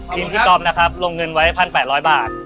ทิมสิบกรอฟลงเงินไว้๑๘๐๐บาท